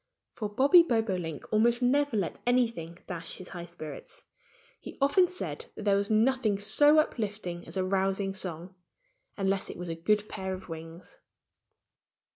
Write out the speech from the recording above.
For Bobby Bobolink almost never let anything dash his high spirits. He often said that there was nothing so uplifting as a rousing song unless it was a good pair of wings!